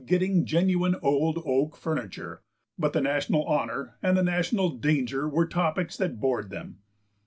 xxgetting genuine old oak furniture, but the national honour and the national danger were topics that bored them.